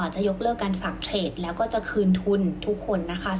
จะยกเลิกการฝากเทรดแล้วก็จะคืนทุนทุกคนนะคะ